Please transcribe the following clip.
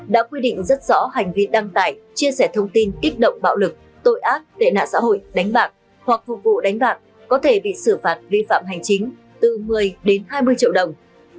đã quy định rất rõ hành vi đăng tải chia sẻ thông tin kích động bạo lực tội ác tệ nạn xã hội đánh bạc hoặc phục vụ đánh bạc có thể bị xử phạt vi phạm hành chính từ một mươi đến hai mươi triệu đồng